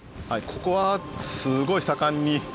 ここはすごい盛んに。